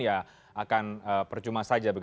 ya akan percuma saja